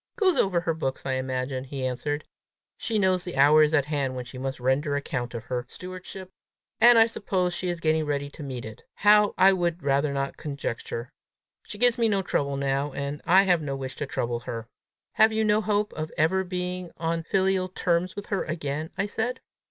"Goes over her books, I imagine," he answered. "She knows the hour is at hand when she must render account of her stewardship, and I suppose she is getting ready to meet it; how, I would rather not conjecture. She gives me no trouble now, and I have no wish to trouble her." "Have you no hope of ever being on filial terms with her again?" I said.